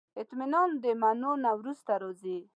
اطمینان د منلو نه وروسته راځي.